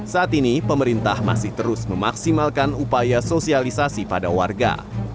saat ini pemerintah masih terus memaksimalkan upaya sosialisasi pada warga